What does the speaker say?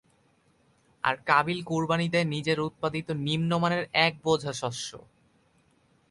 আর কাবীল কুরবানী দেয় নিজের উৎপাদিত নিম্নমানের এক বোঝা শস্য।